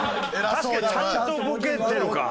確かにちゃんとボケてるか。